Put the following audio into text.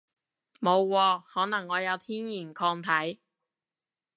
冇喎，可能我有天然抗體